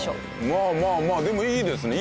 まあまあまあでもいいですね。